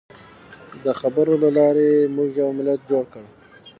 د خبرو له لارې موږ یو ملت جوړ کړ.